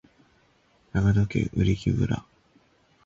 長野県売木村